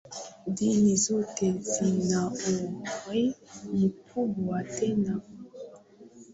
dini zote zina uhuru mkubwa tena kwa